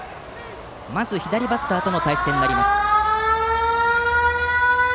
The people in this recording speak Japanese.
まず左バッターとの対戦になります。